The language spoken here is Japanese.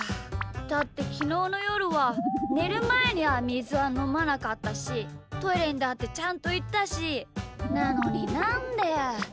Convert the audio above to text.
だってきのうのよるはねるまえにはみずはのまなかったしトイレにだってちゃんといったしなのになんで。